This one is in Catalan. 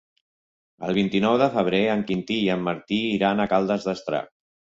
El vint-i-nou de febrer en Quintí i en Martí iran a Caldes d'Estrac.